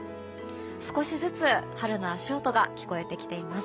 少しずつ春の足音が聞こえてきています。